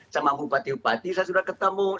sama bupati bupati saya sudah ketemu